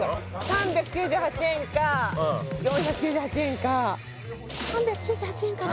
３９８円か４９８円か３９８円かな